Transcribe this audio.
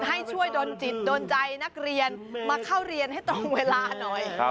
ให้ช่วยดนจิตโดนใจนักเรียนมาเข้าเรียนให้ตรงเวลาหน่อย